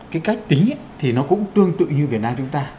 cái cách tính thì nó cũng tương tự như việt nam chúng ta